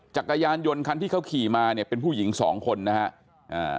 จักรยานยนต์คันที่เขาขี่มาเนี่ยเป็นผู้หญิงสองคนนะฮะอ่า